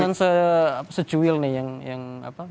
nah ini cuma secuil nih yang apa